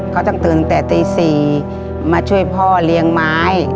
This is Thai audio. เขาต้องตื่นแต่ตี๔มาช่วยพ่อเลี้ยงไม้